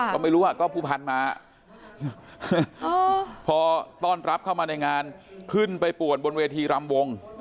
ก็ไม่รู้ว่าก็ผู้พันธุ์มาพอต้อนรับเข้ามาในงานขึ้นไปป่วนบนเวทีรำวง